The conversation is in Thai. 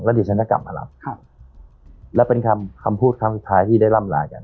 เดี๋ยวฉันจะกลับมารับครับและเป็นคำคำพูดคำสุดท้ายที่ได้ร่ำลากัน